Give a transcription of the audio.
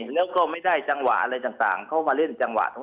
แล้วก็ไม่ได้จังหวะอะไรต่างเข้ามาเล่นจังหวะ